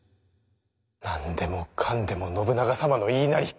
何でもかんでも信長様の言いなり。